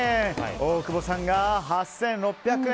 大久保さんが８６００円。